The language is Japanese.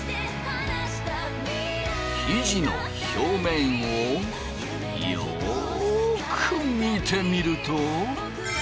生地の表面をよく見てみると。